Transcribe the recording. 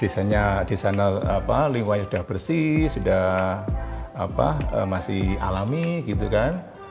biasanya di sana lingkungannya sudah bersih sudah masih alami gitu kan